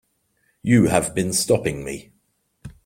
You have been stopping me.